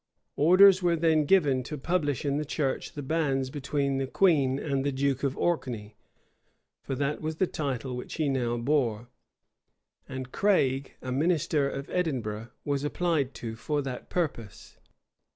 Orders were then given to publish in the church the banns between the queen and the duke of Orkney; for that was the title which he now bore; and Craig, a minister of Edinburgh, was applied to for that purpose.